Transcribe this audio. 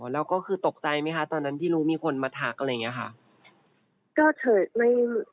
แล้วก็คือตกใจไหมคะตอนนั้นที่รู้มีคนมาทักอะไรอย่างนี้ค่ะ